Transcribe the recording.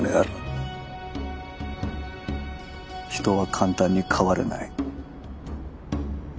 人は簡単に変われない。